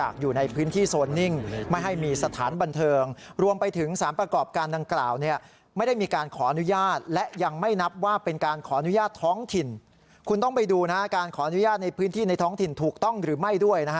คุณต้องไปดูการขออนุญาตในพื้นที่ในท้องถิ่นถูกต้องหรือไม่ด้วยนะฮะ